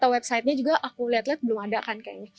websitenya juga aku lihat lihat belum ada kan kayaknya